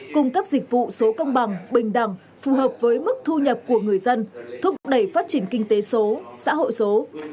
cung cấp dịch vụ số công bằng bình đẳng phù hợp với mức thu nhập của người dân thúc đẩy phát triển kinh tế số xã hội số